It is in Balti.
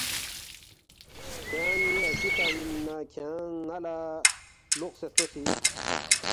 کھیانگ ن٘ی اشی پا اِن نہ کھیانگ ن٘ا لہ لوقسے ہلتوسی